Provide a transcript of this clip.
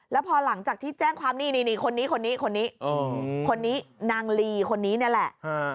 แล้วพอหลังจากที่แจ้งความนี่คนนี่คนนี้คนนี้นางลีคนนี้ก็แหละ